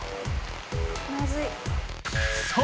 まずい。